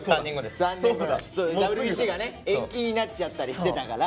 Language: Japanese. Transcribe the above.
延期になっちゃったりしてたから。